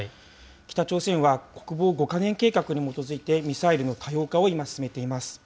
北朝鮮は国防５か年計画に基づいて、ミサイルのかどうかを今、進めています。